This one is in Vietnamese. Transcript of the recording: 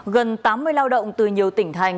gần tám mươi lao động từ nhiều tỉnh thành